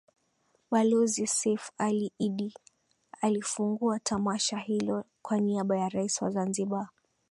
Balozi Seif Ali Iddi alifungua tamasha hilo kwa niaba ya Rais wa Zanzibar